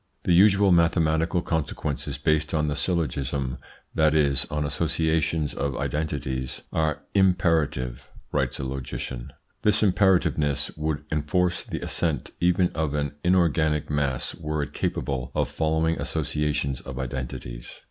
"The usual mathematical consequences based on the syllogism that is, on associations of identities are imperative ..." writes a logician. "This imperativeness would enforce the assent even of an inorganic mass were it capable of following associations of identities."